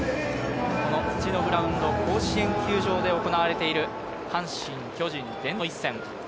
土のグラウンド甲子園球場で行われている阪神・巨人伝統の一戦。